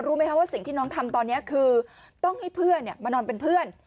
ไหมคะว่าสิ่งที่น้องทำตอนนี้คือต้องให้เพื่อนมานอนเป็นเพื่อน